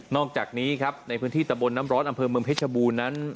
อกจากนี้ครับในพื้นที่ตะบนน้ำร้อนอำเภอเมืองเพชรบูรณ์นั้น